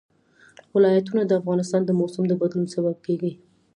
ولایتونه د افغانستان د موسم د بدلون سبب کېږي.